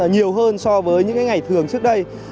nhiều hơn so với những ngày thường trước đây